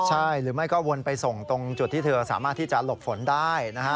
ใช่หรือไม่ก็วนไปส่งตรงจุดที่เธอสามารถที่จะหลบฝนได้นะฮะ